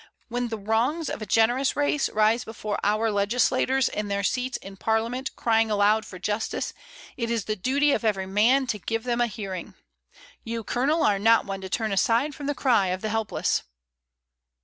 When the wrongs of a generous race rise before our legislators in their seats in Parliament crying aloud for justice, it is the duty of every man to give them Mrt, Dymond. /. 4 50 MRS. DYMOND. a hearing. You, Colonel, are not one to turn aside from the cry of the helpless."